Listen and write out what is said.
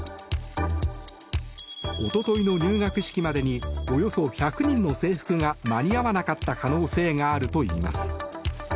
おとといの入学式までにおよそ１００人の制服が間に合わなかった可能性があるといいます。